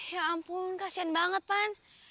ya ampun kasian banget pan